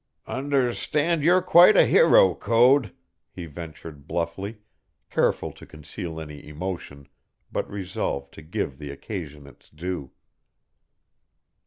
"Understand you're quite a hero, Code," he ventured bluffly, careful to conceal any emotion, but resolved to give the occasion its due.